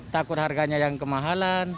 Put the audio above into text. takut harganya yang kemahalan